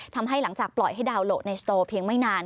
ทำให้หลังจากปล่อยให้ดาวน์โหลดในโตร์เพียงไม่นาน